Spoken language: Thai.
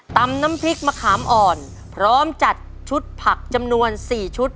ตำน้ำพริกมะขามอ่อนพร้อมจัดชุดผักจำนวน๔ชุด